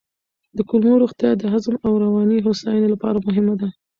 د کولمو روغتیا د هضم او رواني هوساینې لپاره مهمه ده.